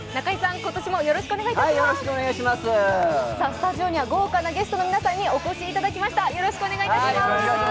スタジオには豪華なゲストの皆さんにお越しいただきました。